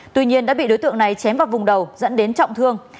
tuy nhiên đã bị đối tượng này chém vào vùng đầu dẫn đến trọng thương